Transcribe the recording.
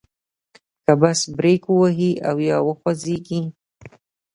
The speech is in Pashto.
که بس بریک ووهي او یا وخوځیږي.